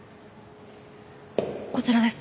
こちらです。